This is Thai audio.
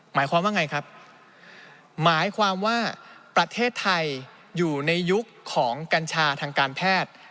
หมายความว่าไงครับหมายความว่าประเทศไทยอยู่ในยุคของกัญชาทางการแพทย์